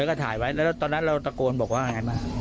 แล้วก็ถ่ายไว้แล้วตอนนั้นเราตะโกนบอกว่าไงบ้าง